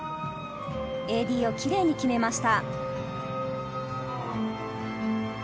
ＡＤをキレイに決めました。